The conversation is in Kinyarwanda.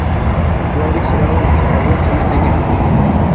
kuwa rishyiraho Igitabo cy Amategeko